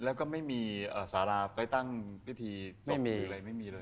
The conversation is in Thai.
แล้วก็ไม่มีสาราไปตั้งพิธีไม่มีอะไรไม่มีเลย